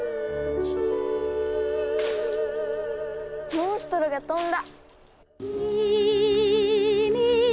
モンストロが飛んだ！